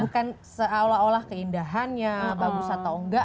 bukan seolah olah keindahannya bagus atau enggak